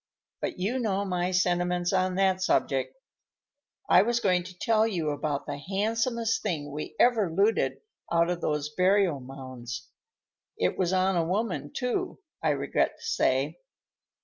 But you know my sentiments on that subject. I was going to tell you about the handsomest thing we ever looted out of those burial mounds. It was on a woman, too, I regret to say.